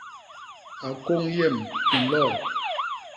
A kôñ yem u nloo?